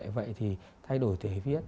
vậy thì thay đổi thể viết